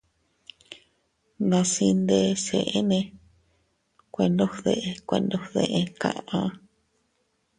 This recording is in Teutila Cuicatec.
Nas iyndes eʼenne, kuendogde kuendogde kaʼa.